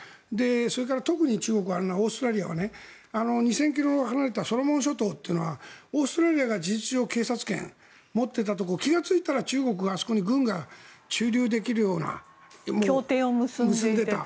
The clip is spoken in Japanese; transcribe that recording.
それから、特に中国はオーストラリアは２０００ｋｍ離れたソロモン諸島というのはオーストラリアが事実上、警察権を持っていたところ気がついたら中国があそこに軍が駐留できるような協定を結んでいた。